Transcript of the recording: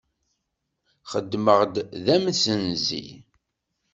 Xeddmeɣ d amsenzi.